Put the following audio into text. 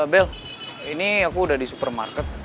bell ini aku udah di supermarket